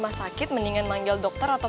iya kamu tenang aja oke